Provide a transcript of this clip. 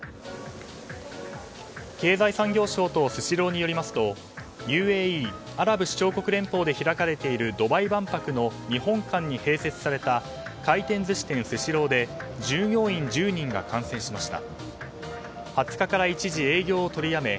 経済産業省とスシローによりますとＵＡＥ・アラブ首長国連邦で開かれているドバイ万博の日本館に併設された回転寿司店スシローで従業員１０人が感染しました。